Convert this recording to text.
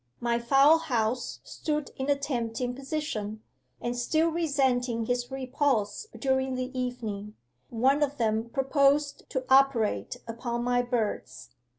My fowlhouse stood in a tempting position, and still resenting his repulse during the evening, one of them proposed to operate upon my birds.